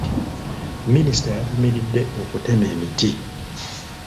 Minisita yavumiridde okutema emiti .